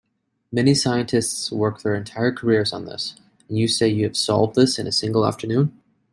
Many scientists work their entire careers on this, and you say you have solved this in a single afternoon?